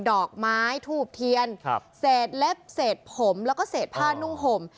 ดอกไม้ทูบเทียนเศษเล็บเศษผมแล้วก็เศษผ้านุ่งห่ม